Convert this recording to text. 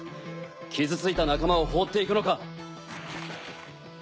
キズついた仲間を放っていくのか？